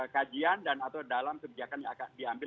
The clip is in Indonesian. kajian dan atau dalam kebijakan yang akan diambil